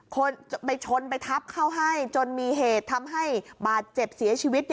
คนไปชนไปทับเขาให้จนมีเหตุทำให้บาดเจ็บเสียชีวิต